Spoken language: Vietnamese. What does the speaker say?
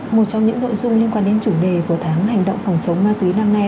một trong những nội dung liên quan đến chủ đề của tháng hành động phòng chống ma túy năm nay